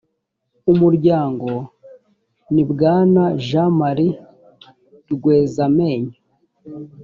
umuryango ni bwana jean marie rwezamenyo